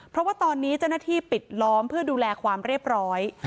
เพราะว่าตอนนี้เจ้าหน้าที่ปิดล้อมเพื่อดูแลความเรียบร้อย